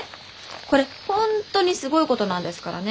これ本当にすごいことなんですからね！